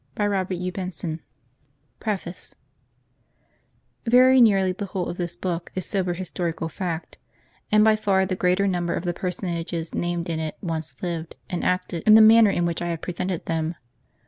by OODD. MEAD AND COMPANY PREFACE Very nearly the whole of this book is sober historical fact ; and by far the greater number of the personages named in it once lived and acted in the manner in which I have pre sented them.